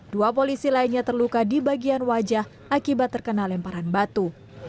dua polisi lainnya terluka di bagian wajah akibat terkena lemparan batu